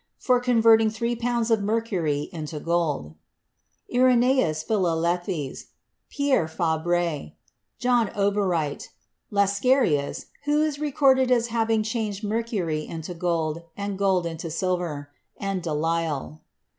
for converting three pounds of 48 CHEMISTRY mercury into gold; Eirenaeus Philalethes; Pierre Fabre; John Obereit; Lascaris, who is recorded as having changed mercury into gold and gold into silver ; and De lisle.